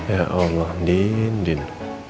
ya allah din